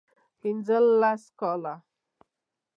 پنځه لس کاله